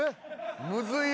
むずいよ。